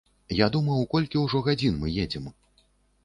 Я думаў, колькі ўжо гадзін мы едзем.